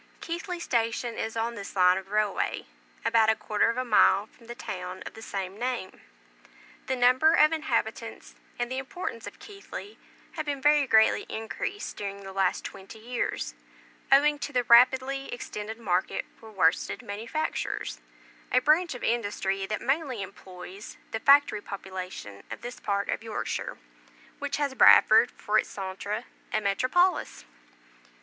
Keighley station is on this line of railway, about a quarter of a mile from the town of the same name. The number of inhabitants and the importance of Keighley have been very greatly increased during the last twenty years, owing to the rapidly extended market for worsted manufactures, a branch of industry that mainly employs the factory population of this part of Yorkshire, which has Bradford for its centre and metropolis.